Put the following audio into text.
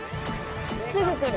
すぐ来る。